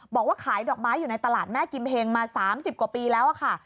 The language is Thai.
บอกว่าขายดอกไม้อยู่ในตลาดแม่กิมเฮงมา๓๐กว่าปีแล้วค่ะ